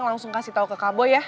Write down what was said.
langsung kasih tau ke kak boy ya